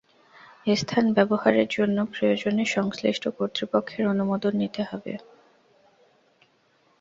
স্থান ব্যবহারের জন্য প্রয়োজনে সংশ্লিষ্ট কর্তৃপক্ষের অনুমোদন নিতে হবে।